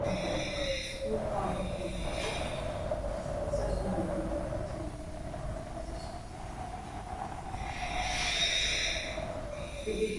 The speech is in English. The station is managed by Northern, which also provides its passenger service.